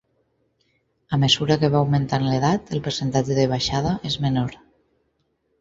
A mesura que va augmentant l’edat, el percentatge de baixada és menor.